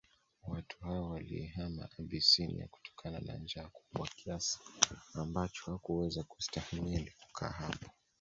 Watu hao waliihama Abysinia kutokana na njaa kubwa kiasi ambacho hawakuweza kustahimili kukaa hapo